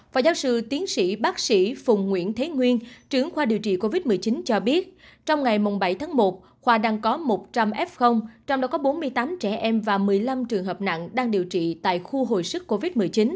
và giáo sư tiến sĩ bác sĩ phùng nguyễn thế nguyên trưởng khoa điều trị covid một mươi chín cho biết trong ngày bảy tháng một khoa đang có một trăm linh f trong đó có bốn mươi tám trẻ em và một mươi năm trường hợp nặng đang điều trị tại khu hồi sức covid một mươi chín